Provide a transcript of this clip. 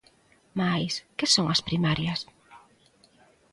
Mais, que son as primarias?